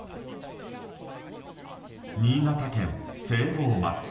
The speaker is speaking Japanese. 新潟県聖籠町。